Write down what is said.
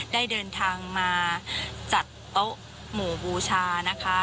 ได้เดินทางมาจัดโต๊ะหมู่บูชานะคะ